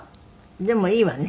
でもいいわね